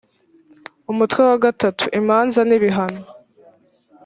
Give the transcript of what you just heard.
umutwe wa iii imanza n’ibihano